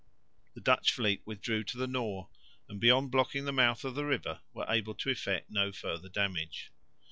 The Dutch fleet withdrew to the Nore and, beyond blocking the mouth of the river, were able to effect no further damage.